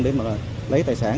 để mà lấy tài sản